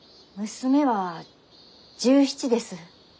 娘は１７です。